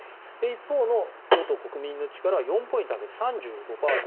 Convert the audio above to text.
一方の与党・国民の力は４ポイント上げて３５％。